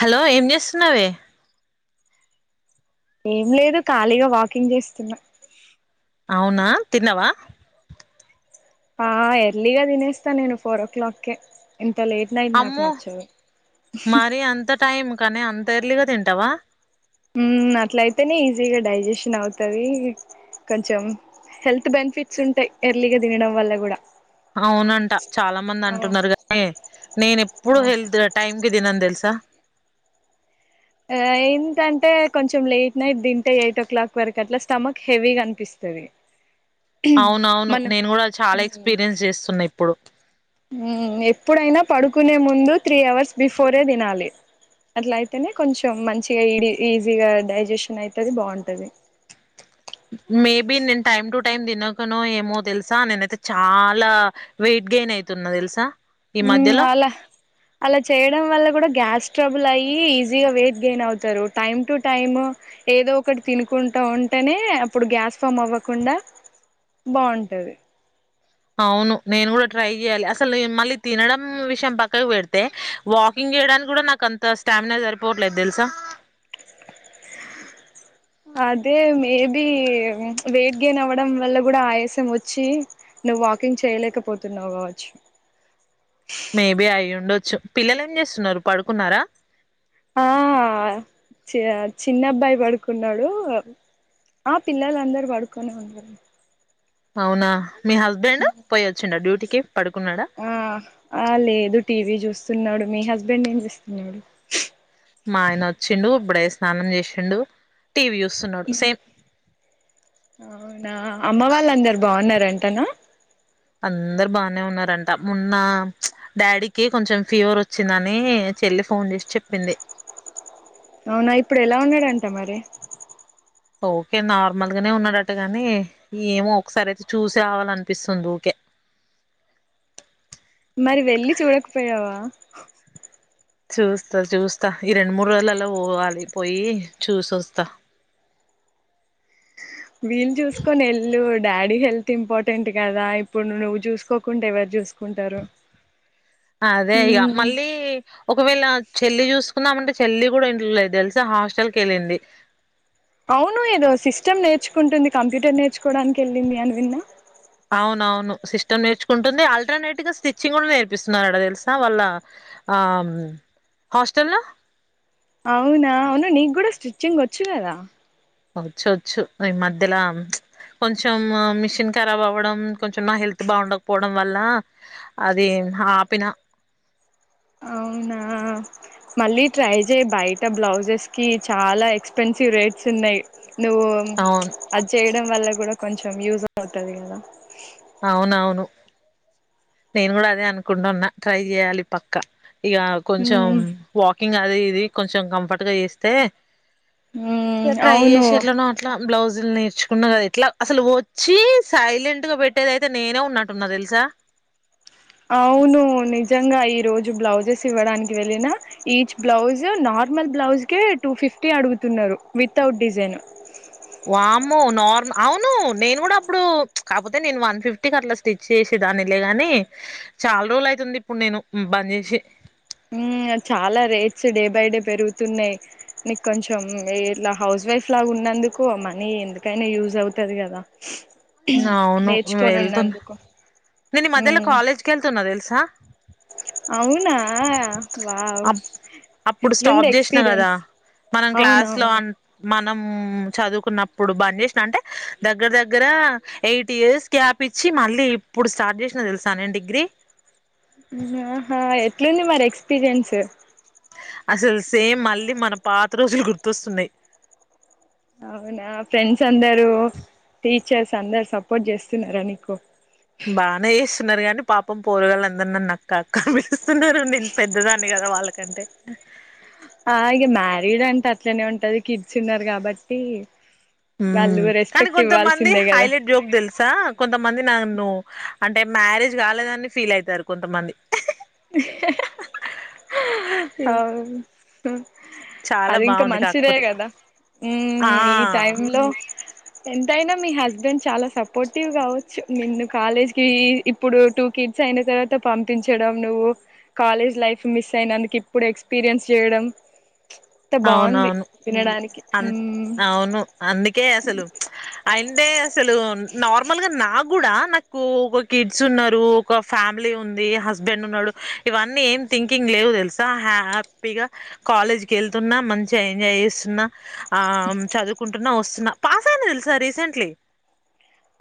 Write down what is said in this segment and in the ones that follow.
Hello ఏం చేస్తున్నావే ఏం లేదు ఖాళీగా వాకింగ్ చేస్తున్నా అవునా తిన్నావా ఆ ఎర్లీగా తినేస్తా నేను ఫోర్ ఓ క్లాక్ కే ఎంత్ అమ్మో మరి అంత టైం కానీ అంత ఇంత ఎర్లీగా తింటావా మ్ అట్ల అయితేనే ఈజీగా డైజెషన్ అవుతంది కొంచెం హెల్త్ బెనిఫిట్స్ ఉంటాయి ఎర్లీగా తినడం వల్ల కూడా అవునంట చాలా మంది ఆ అంటున్నారు కానీ నేను ఎప్పుడు ఆ హల్త్ టైం కి తినను తెలుస త్త ఆ ఏంటంటే కొంచెం లేట్ నైట్ తింటే ఎయిట్ ఓ క్లాక్ వరకు అట్లా స్టమక్ హెవీగా అనిపిస్తది అవునవును మనం నేను కూడా చాలా ఎక్స్పీరియన్స్ చేస్తున్నాయి ఇప్పు ఇప్పుడు మ్ ఎప్పుడైనా పడుకునే ముందు త్రీ అవర్స్ బిఫోరే తినాలి అట్లాయితేనే కొంచెం మంచిగా ఈడ ఈజీగా డైజెషన్ అయితది బాగుంటుంది మేబి నేను టైమ్ టు టైమ్ తినకనో ఏమో తెలుసా నేనైతే చాలా వెయిట్ గైన్ అవుతున్నా తెలుసా ఈ మ్ మధ్యలో అలా అలా చేయడం వల్ల కూడా గ్యాస్ స్ట్రబుల్ అయ్యి ఈజీగా వెయిట్ గెయిన్ అవుతారు టైమ్ టు టైమ్ ఏదో ఒకటి తినుకుంటూ ఉంటేనే అప్పుడు గ్యాస్ ఫామ్ అవ్వకుండా బాగుంటది అవును నేను కూడా ట్రై చెయాలి అసలు మళ్ళీ తినడం విషయం పక్కకు పెడితే వాకింగ్ చేయడానికి కూడా నాకు అంత స్టామినా సరిపోవట్లేదు తెలుసా అదే మేబి వెయిట్ గెయిన్ అవ్వడం వల్ల కూడా ఆయాసం వచ్చి నువ్వు వాకింగ్ చేయలేకపోతున్నావు కావచ్చు మేబి అయి ఉండొచ్చు పిల్లలు ఏం చేస్తున్నారు పడుకున్నారా ఆ చిన్నబ్బాయి పడుకున్నాడు ఆ పిల్లలుందరూ పడుకొని ఉన్నారు అవునా మీ హస్బండ్ పోయ వచ్చిన డ్యూటీకి పడుకున్నాడా ఆ ఆ లేదు టీవీ చూస్త స్తున్నాడు మీ హస్బెండ్ ఏం చేస్తున్నాడు మా ఆయన వచ్చిండు ఇప్పుడే స్నానం చేసిండు టీవీ చూస్తున్నాడు సేమ్ అవునా అమ్మ వాళ్ళ అందరు బాగున్నారం టన అందరు బానే ఉన్నారంట మొన్న డాడీకి కొంచెం ఫీవర్ వచ్చిందని చెల్లి ఫోన్ చేసి చెప్పింది అవునా ఇప్పుడు ఎలా ఉన్నాడంట మరి ఓకే నార్మల్గానే ఉన్నాడటటు గాని ఏమో ఒకసారి అయితే చూసే అవాల అనిపిస్తుంది హుకే మరి వెళ్ళి చూడకపోయావా చూస్తా చూస్తా ఈ రెండు మూడు రోజులలో పోవాలి పోయి చూసి వస్తా వీళ్ళు చూసుకొని వెల్ళు డాడీ హెల్త్ ఇంపార్టెంట్ కదా ఇప్పుడు నువ్వు చూసుకోకుండా ఎవరు చూసుకుంటారు అదే ఇక మ్మ్ మళ్ళీ ఒకవేళ చెల్లి చూసుకుందామంటే చెల్లి కూడా ఇంట్లో లేదు తెలిసా హాస్టల్ వెళ్ళింది అవును ఏదో సిస్టమ్ నేర్చుకుంటుంది కంప్యూటర్ నేర్చుకోవడానికి వెళ్ళింది అని విన్నా అవునవును సిస్టం నేర్చుకుంటుంది ఆల్టర్నేట్ గా స్టిచ్చింగ్ కూడా నేర్పిస్తున్నాడ తెలుసా వాళ్ళ హాస్టల్ లో అవునా అవునా నీకు కూడా స్టిచ్చింగ్ వచ్చు కదా వచ్చొచ్చు ఈ మధ్యలో కొంచెం మిషన్ ఖరాబ్ అవ్వడం కొంచెం నా హెల్త్ బాగుండకపోవడం వల్ల అది ఆపిన అవునా మళ్ళీ ట్రై చేయి బయట బ్లౌజెస్ కి చాలా ఎక్స్పెన్సివ్ రేట్స్ ఉన్నాయి నువ్వు అవును అది చేయడం వల్ల కూడా కొంచం యూస్ అవుతాది కదా అవునవును నేను కూడా అదే అనుకుంటున్నా ట్రై చేయాలి పక్క ఇక కొంచెం మ్మ్ వాకింగ్ అది ఇది కొంచెం కంఫర్ట్ గా చేస్తే ఇక మ్మ్ ట్రై అవును చేసి ఎలానో ఉన్నాం బ్లౌజులు నేర్చుకున్నా కదా ఇట్లా అసలు వచ్చి సైలెంట్ గా పెట్టి అట్టేదైతే నేనే ఉన్నట్టున్నా తెలుసా అవును నిజంగా ఈ రోజు బ్లౌజెస్ ఇవ్వడానికి వెళ్ళిన ఈచ్ బ్లౌజ్ నార్మల్ బ్లౌజ్ క టూ ఫిఫ్టీ అడుగుతున్నారు వితౌట్ డిజైన్ వామ్మో నార్మల్ అవును నేను కూడా అప్పుడు కాకపోతే నేను వన్ ఫిఫ్టీకి అట్లా స్టిచ్ చేసే దాన్నిలే గాని చాలా రోజులు అయితుంది ఇప్పుడు నేను బంద్ చేసి చాలా రేట్స్ డే బై డే పెరుగుతున్నాయి నీకు కొంచెం ఇలా హౌస్ వైఫ్ లాగా ఉన్నందుకు ఆ మనీ ఎందుకైనా యూజ్ అవుతాది కదా అవును నేర్చుకొని వెళ్తున్నా ఉన్నందుకు నేను ఈ మధ్యలో మ్మ్ కాలేజ్కి వెళ్తున్నా తెలుసా అవునా వావ్ అప్ అప్పుడు ఎట్లుంది స్టాప్ చేసిన కదా ఎక్స్పీరియన్స్ మనం క్లాస్ లో అవునవును అన్ మనం చదువుకున్నప్పుడు బంద్ చేసినా అంటే దగ్గర దగ్గర ఎయిట్ ఇయర్స్ గ్యాప్ ఇచ్చి మళ్ళీ ఇప్పుడు స్టార్ట్ చేసినా తెలుసా నేను డిగ్రీ ఆహా ఎట్లుంది మరి ఎక్స్పీరియన్స్ అసలు సేమ్ మళ్ళీ మన పాత రోజులు గుర్తొస్తున్నాయి అవునా ఫ్రెండ్స్ అందరు, టీచర్స్ అందరు సపోర్ట్ చేస్తున్నారా నీకు బాగానే చేస్తున్నారు కానీ పాపం పోరుగాల అందరు నన్ను అక్క అక్క అని పిలుస్తున్నారు నేను పెద్దదాన్ని కదా వాళ్ళకంటే ఆ ఇక మ్యారీడ్ అంటే అట్లనే ఉంటాది కిడ్స్ ఉన్నారు కాబట్టి. వాళ్ళు హమ్ కానీ రెస్పెక్ట్ కొంతమంది ఇవ్వాల్సిందే కదా హైలైట్ జోక్ తెలు స కొంతమంది నన్ను అంటే మ్యారేజ్ కాలేదని ఫీల్ అయితారు కొంతమంది. ఇహ్హ్ హ అవును ఉ చాలా అది ఇంకా బాగుంది మంచిదే కాకపోతే కదా ఆ హమ్ ఈ టైమ్ లో ఎంతైనా మీ హస్బెండ్ చాలా సపోర్టివ్ కావచ్చు నిన్ను కాలేజ్ కి ఇప్పుడు టూ కిడ్స్ అయిన తర్వాత పంపించడం. నువ్వు కాలేజ్ లైఫ్ మిస్ అయినందుకు ఇప్పుడు ఎక్స్పీరియన్స్ చేయడం. అంత బాగుంది అవునవును వినడానికి అన్ మ్మ్ అవును అందుకే అసలు చ్ అయింటే అసలు నార్మల్ గా నాక్ కూడా నాకు ఒక కిడ్స్ ఉన్నారు. ఒక ఫ్యామిలీ ఉంది, హస్బెండ్ ఉన్నాడు. ఇవన్నీ ఏం థింకింగ్ లేవు తెలుసా హ్యాపీగా కాలేజ్కి వెళ్తున్నా, మంచిగా ఎంజాయ్ చేస్తున్నా. ఆమ్ చదువుకుంటున్నా వస్ న పాస్ అయింది తెలుసా రీసెంట్లీ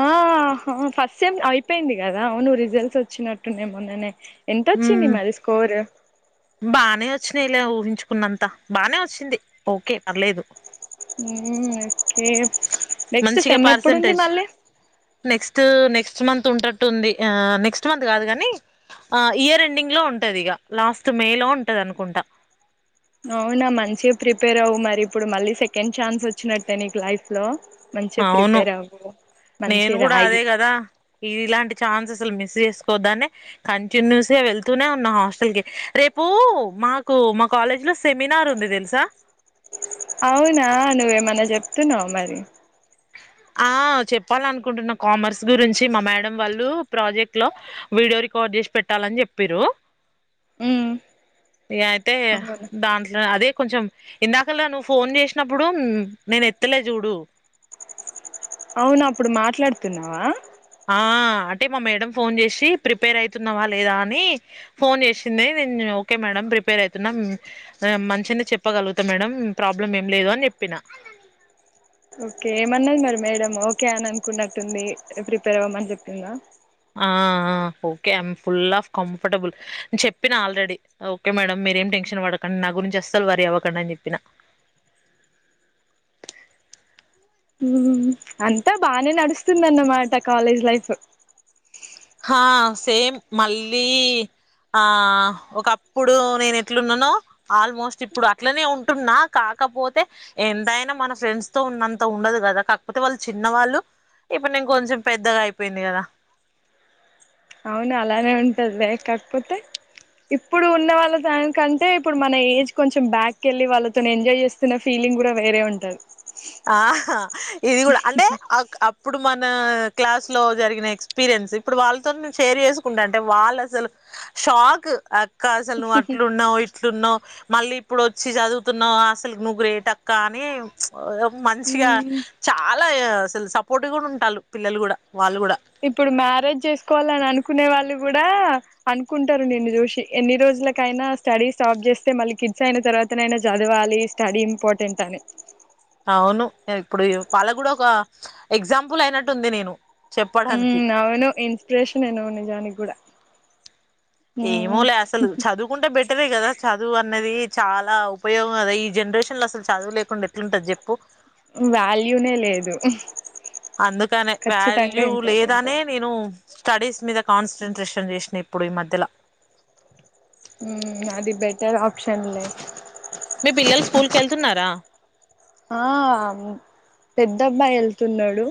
ఆహ ఫస్ట్ టమ్ అయిపోయింది కదా అవును రిజల్ట్స్ వచ్చినట్టున్నాయి మొన్ననే. ఎంతొచ్చింది మాది స్కోరు వచ్చినిలే ఊహించుకున్నంత బానే వచ్చింది ఓకే పర్లేదు. ఉమ్మ్ కేవ్ నెక్స్ట్ మంచిగా సెమ్ ఎప్పుడుంది పర్సంటేజ్ మళ్ళీ నెక్స్ట్ నెక్స్ట్ మంత్ ఉంటట్టుంది. ఆ నెక్స్ట్ మంత్ కాదు కానీ, ఆ ఇయర్ ఎండింగ్ లో ఉంటది ఇక లాస్ట్ మే లో ఉంటది అనుకుంటా. అవునా మంచిగా ప్రిపేర్ అవ్వు. మరి ఇప్పుడు మళ్ళీ సెకండ్ ఛాన్స్ వచ్చినట్టే నీకు లైఫ్ లో మంచిగా అవును ప్రిపేర్ అవ్వు నేను మంచిగా కూడా రాయి అదే కదా ఇలాంటి ఛాన్స్ అస్సలు మిస్ చేసు ఓద్దానే కంటిన్యూస్ గా వెళ్తూనే ఉన్నా హాస్టల్ కి రేపు మాకు మా కాలేజ్ లో సెమినార్ ఉంది తెలుసా. అవునా నువ్వేమన్నా చెప్తున్నావు మరి ఆ చెప్పాలనుకుంటున్నా కామర్స్ గురించి మా మేడం వాళ్ళు ప్రాజెక్ట్ లో వీడియో రికార్డ్ చేసి పెట్టాలని చెప్పిరు. మ్మ్. యాద్ తే అవును దాంట్లో అదే కొంచెం ఇందాకలా నువ్వు ఫోన్ చేసినప్పుడు ఉమ్ నేను ఎత్తలే చూడు. అవును అప్పుడు మాట్లాడుతున్నావా ఆ అంటే మా మేడం ఫోన్ చేసి ప్రిపేర్ అయితున్నావా లేదా అని ఫోన్ చేసింది. నేను ఓకే మేడం ప్రిపేర్ అయితున్నా మంచిని చెప్పగలుగుతా మేడం ప్రాబ్లం ఏం లేదు అని చెప్పిన. ఓకే ఏమన్నాది మరి మేడం ఓకే అని అనుకున్నట్టుంది ప్రిపేర్ అవ్వమని చెప్తుందా. ఆ okay I'm full of comfortable చెప్పిన ఆల్రెడీ ఓకే మేడం మీరేం టెన్షన్ పడకండి, నా గురించి అస్సలు వరి అవ్వకండి అని చెప్పిన. అంతా బానే నడుస్తుందిన్నమాట కాలేజ్ లైఫ్ హా సేమ్ మళ్ళీ ఆ ఒకప్పుడు నేను ఎట్లున్నానో, ఆల్మోస్ట్ ఇప్పుడు అట్లనే ఉంటున్నా. కాకపోతే ఎంతైనా మన ఫ్రెండ్స్ తో ఉన్నంత ఉండదు కదా. కాకపోతే వాళ్ళు చిన్నవాళ్ళు ఇప్పుడు నేను కొంచెం పెద్దగా అయిపోయింది కదా. అవును అలానే ఉంటది వే కాకపోతే ఇప్పుడు ఉన్న వాళ్ళ దానికంటే ఇప్పుడు మన ఏజ్ కొంచెం బ్యాక్కి వెళ్ళి వాళ్ళతోని ఎంజాయ్ చేస్తున్న ఫీలింగ్ కూడా వేరే ఉంటది. ఆహ ఇది కూడా అంటే అక్ అప్పుడు మన నా క్లాస్ లో జరిగిన ఎక్స్పీరియన్స్ ఇప్పుడు వాళ్ళతోను నేను షేర్ చేసుకుంటా అంటే వాళ్ళు అసలు షాక్. అ కాసల్ నువ్వు అట్లున్నావు ఇట్ ఇట్లున్నావ్ మళ్ళీ ఇప్పుడు వచ్చి చదువుతున్నావు అసలు నువ్వు గ్రేటక్క అని ఓ మంచిగా ఉమ్ చాలా లా అసలు సపోర్ట్ కూడా ఉంటాలు పిల్లలు కూడా వాళ్ళు కూడా ఇప్పుడు మ్యారేజ్ చేసుకోవాలని అనుకునే వాళ్ళు కూడా అనుకుంటారు నిన్ను చూసి ఎన్ని రోజులకైనా స్టడీ స్టాప్ చేస్తే మళ్ళీ కిడ్స్ అయిన తర్వాతనైనా చదవాలి స్టడీ ఇంపార్టెంట్ అని అవును ఇప్పుడు వాళ్ళ కూడా ఒక ఎగ్జాంపుల్ అయినట్టు ఉంది నేను చెప్పడానికి మ్మ్ అవును ఇన్స్పిిరేషనే నువ్వు నిజానిక్కూడా ఏమో లే అసలు చదువుకుంటే బెటరే కదా చదువు అన్నది. చాలా ఉపయోగం గద ఈ జనరేషన్ లో అసలు చదువు లేకుండా ఎట్లుంటది చెప్పు వాల్యూనే లేదు. అందుకనే ఖచ్చితంగా వాల్యూ ఇంపార్టెంట్ లేదానే నేను స్టడీస్ మీద కాన్సన్ట్రేషన్ చేసిన ఇప్పుడు ఈ మధ్యల ఉమ్మ్ అది బెటర్ ఆప్షన్లే మీ పిల్లలు స్కూల్ కెళ్తున్నారా ఆ పెద్దబ్బాయి వెళ్తున్నాడు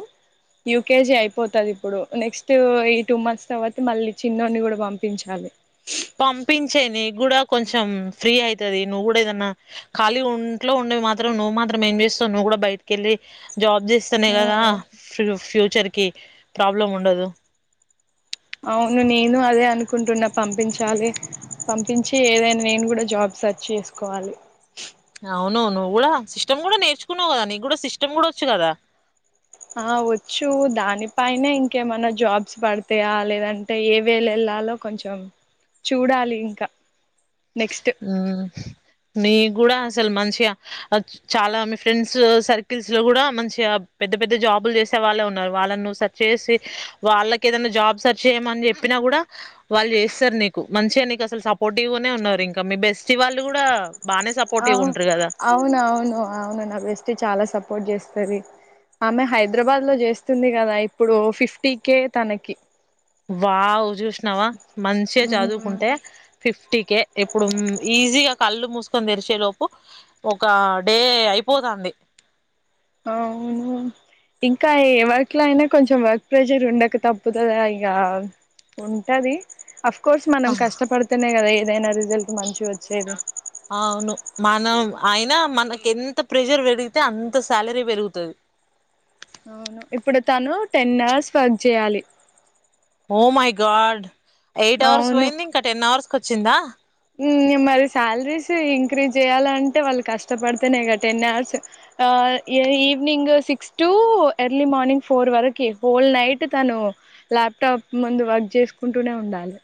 యూకేజీ అయిపోతది ఇప్పుడు నెక్స్ట్ ఈ టూ మంత్స్ తర్వాత మళ్ళీ చిన్నోడిని కూడా పంపించాలి. పంపించేయి నీకు కూడా కొంచెం ఫ్రీ అయితది నువ్వు కూడా ఏదన్నా ఖాళీగ ఇంట్లో ఉండేవి మాత్రం నువ్వు మాత్రం ఏం చేస్తావు నువ్వు కూడా బయటికిెళ్ళి జాబ్ చేస్తనే కదా ఉమ్ ఫ్రీ ఫ్యూచర్ కి ప్రాబ్లం ఉండదు. అవును నేను అదే అనుకుంటున్నా పంపించాలి పంపించి ఏదైనా నేను కూడా జాబ్ సర్చ్ చేసుకోవాలి. అవును నువ్వు కూడా సిస్టమ్ కూడా నేర్చుకున్నావు కదా నీక్కూడా సిస్టమ్ కూడా వచ్చు కదా ఆ వచ్చు దానిపైనే ఇంకేమన్నా జాబ్స్ పడితాయా లేదంటే ఏ వేలో వెళ్ళాలో కొంచెం చూడాలి ఇంకా నెక్స్ట్ ఉమ్మ్ మీక్కూడా అసలు మంచిగా చాలా మీ ఫ్రెండ్స్ సర్కిల్స్ లో కూడా మంచిగా పెద్ద పెద్ద జాబులు చేసే వాళ్ళే ఉన్నారు వాళ్ళని నువ్వుసర్చ్ చేసి వాళ్ళకి ఏదైనా జాబ్ సెర్చ్ చేయ్యమని చెప్పినా కూడా వాళ్ళు చేస్తారు నీకు మంచిగా నీకు అసలు సపోర్టివ్ గానే ఉన్నారు ఇంకా ఇంకా మీ బెస్టీ వాళ్ళు కూడా బానే సపోర్టివ్ అవు ఉంటారు కదా అవునువును అవును నా బెస్టీ చాలా సపోర్ట్ చేస్ స్తది. ఆమె హైదరాబాద్ లో చేస్తుంది కదా ఇప్పుడు ఫిఫ్టీ కే తనకి వావ్ చూసి నవ మంచిగ మ్మ్ చదువుకుంటే ఫిఫ్టీ కే ఇప్పుడు ఈజీగా కళ్ళు మూసు కోని తెరిచేలోపు ఒక డే అయిపోతాంది. అవును ఇంకా ఎ వర్క్ లో అయినా కొంచెం వర్క్ ప్రెసర్ ఉండక తప్పుతదా ఇక ఉంటది. అఫ్ కోర్స్ మనం కష్టపడ్తేనే కదా ఏదై దైన రీజల్ అవును మనం అయినా మనకెంత ప్రెజర్ పెరిగితే అంత సాలరీ పెరుగుతది. అవును ఇప్పుడు తను టెన్ అవర్స్ వర్క్ చేయాలి. Oh my god eight hours అవును పోయింది ఇంక టెన్ అవర్స్ కో చ్చిందా ఉమ్ ఇంగ మరి శాలరీస్ ఇంక్రీజ్ చేయ్యాలంటే, వాళ్ళు కష్టపడితేనే గ టెన్ అవర్స్ ఆ ఏ evening six to early morning four వరకి హోల్ నైట్ తను ల్యాప్టాప్ ముందు వర్క్ చేసుకుంటూనే ఉండాలి.